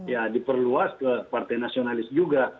ya diperluas ke partai nasionalis juga